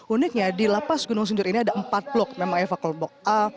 uniknya di lapas gunung sindur ini ada empat blok memang eva kolbok